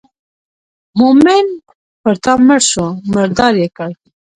مومن پر تا مړ شو مردار یې کړ.